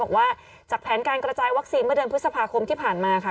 บอกว่าจากแผนการกระจายวัคซีนเมื่อเดือนพฤษภาคมที่ผ่านมาค่ะ